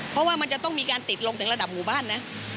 เพราะว่ามันจะต้องมีการติดลงถึงระดับหมู่บ้านนะ